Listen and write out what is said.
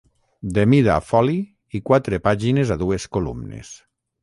De mida foli i quatre pàgines a dues columnes.